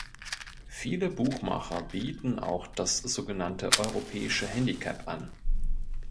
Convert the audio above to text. Viele Buchmacher bieten auch das sogenannte europäische Handicap an.